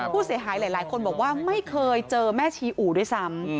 ผู้เสียหายหลายคนบอกว่าไม่เคยเจอแม่ชีอู่ด้วยซ้ำ